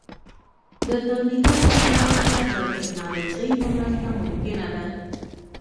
د تولیداتو پراختیا د ټکنالوژۍ په مرسته ممکنه ده.